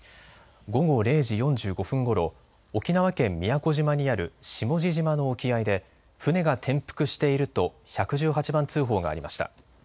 午後０時４５分ごろ、沖縄県宮古島にある下地島の沖合で船が転覆していると１１８番通報がありました。